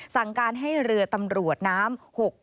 สั่งการให้เรือตำรวจน้ำ